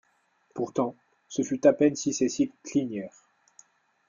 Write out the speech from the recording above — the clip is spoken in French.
Pourtant, ce fut à peine si ses cils clignèrent.